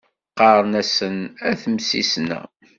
Qqaṛen-asen At Msisna.